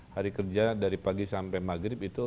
hari kerja dari pagi sampai maghrib itu